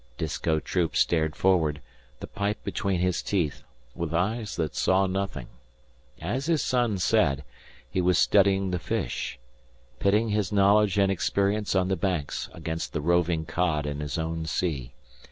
Disko Troop stared forward, the pipe between his teeth, with eyes that saw nothing. As his son said, he was studying the fish pitting his knowledge and experience on the Banks against the roving cod in his own sea.